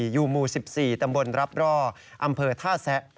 อยู่หมู่๑๔ตำบลรับร่ออำเภอท่าแซะ